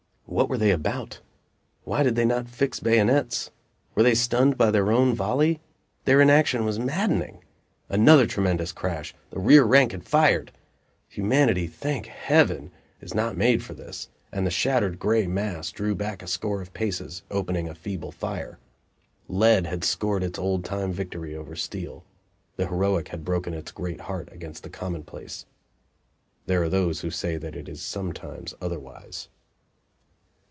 What were they about? Why did they not fix bayonets? Were they stunned by their own volley? Their inaction was maddening! Another tremendous crash! the rear rank had fired! Humanity, thank Heaven! is not made for this, and the shattered gray mass drew back a score of paces, opening a feeble fire. Lead had scored its old time victory over steel; the heroic had broken its great heart against the commonplace. There are those who say that it is sometimes otherwise.